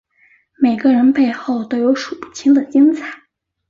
每个人背后都有数不清的精彩